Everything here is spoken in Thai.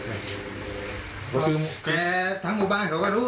แกทางผู้บ้างว่าก็รู้